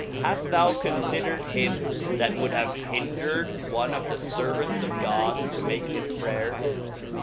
Haft thou confider'ed him that would have hindred one of the fervants of God to make his prayers